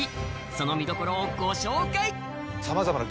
その見どころをご紹介